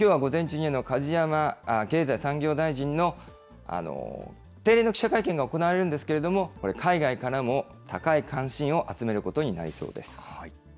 きょうは午前中に、梶山経済産業大臣の定例の記者会見が行われるんですけれども、これ、海外からも高い関心を集めることになりそうです。